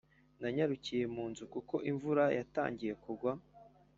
nanyarukiye mu nzu kuko imvura yatangiye kugwa.